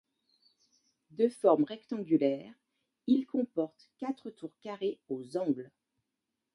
De forme rectangulaire, il comporte quatre tours carrés aux angles.